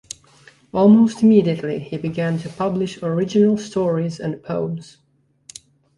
Almost immediately he began to publish original stories and poems.